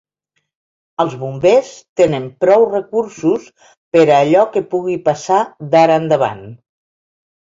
Els bombers tenen prou recursos per a allò que pugui passar d’ara endavant?